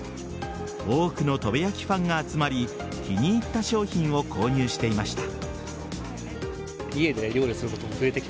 多くの砥部焼ファンが集まり気に入った商品を購入していました。